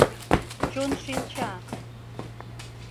ЧОНШИНЧА